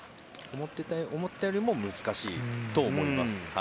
思ったよりも難しいと思います。